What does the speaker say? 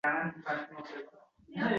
Bu zulmat qa’rida yongan ne yog’du